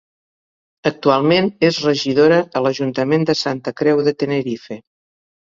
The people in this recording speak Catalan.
Actualment és regidora a l'Ajuntament de Santa Creu de Tenerife.